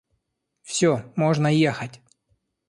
Всё, можно ехать!